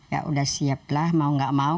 ya udah siap lah mau gak mau